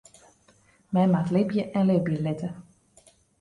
Men moat libje en libje litte.